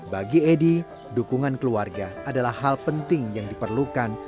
bagi edy dukungan keluarga adalah hal penting yang diperlukan